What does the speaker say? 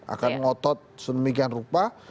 akan ngotot sedemikian rupa